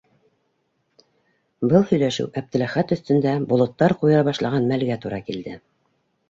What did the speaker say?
Был һөйләшеү Әптеләхәт өҫтөндә болоттар ҡуйыра башлаған мәлгә тура килде.